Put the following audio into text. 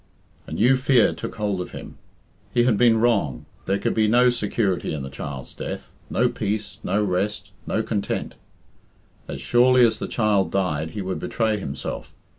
A new fear took hold of him. He had been wrong there could be no security in the child's death, no peace, no rest, no content. As surely as the child died he would betray himself.